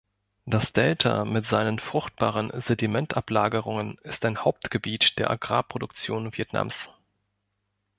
Das Delta mit seinen fruchtbaren Sedimentablagerungen ist ein Hauptgebiet der Agrarproduktion Vietnams.